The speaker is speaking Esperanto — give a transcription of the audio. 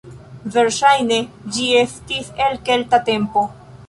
Verŝajne ĝi estis el kelta tempo.